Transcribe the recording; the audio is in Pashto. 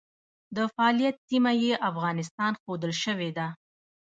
د فعالیت سیمه یې افغانستان ښودل شوې ده.